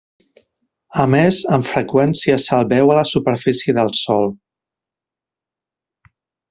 A més amb freqüència se'l veu a la superfície del sòl.